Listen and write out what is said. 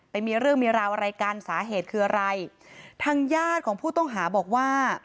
ไปมีเรื่องมีราวอะไรกันสาเหตุคืออะไรทางญาติของผู้ต้องหาบอกว่า